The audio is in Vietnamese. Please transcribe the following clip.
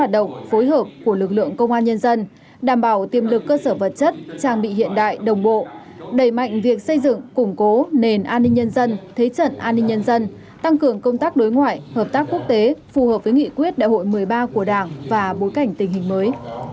đẩy mạnh việc xây dựng củng cố nền an ninh nhân dân thế trận an ninh nhân dân tăng cường công tác đối ngoại hợp tác quốc tế phù hợp với nghị quyết đại hội một mươi ba của đảng và bối cảnh tình hình mới